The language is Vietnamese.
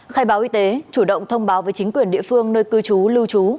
khai báo y tế chủ động thông báo với chính quyền địa phương nơi cư trú lưu trú